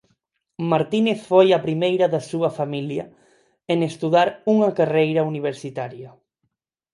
Martínez foi a primeira da súa familia en estudar unha carreira universitaria.